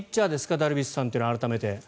ダルビッシュというのは改めて。